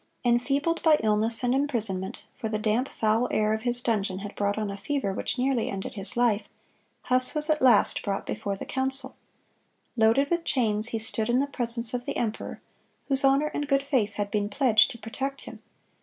Enfeebled by illness and imprisonment,—for the damp, foul air of his dungeon had brought on a fever which nearly ended his life,—Huss was at last brought before the council. Loaded with chains, he stood in the presence of the emperor, whose honor and good faith had been pledged to protect him.